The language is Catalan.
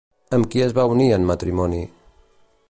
Amb qui es va unir en matrimoni?